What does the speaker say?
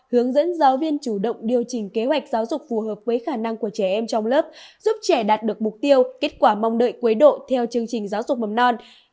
hướng dẫn giáo viên chủ động điều chỉnh kế hoạch giáo dục phù hợp với khả năng của trẻ em trong lớp giúp trẻ đạt được mục tiêu kết quả mong đợi cuối độ theo chương trình giáo dục mầm non